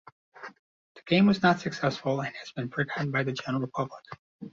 The game was not successful and has been forgotten by the general public.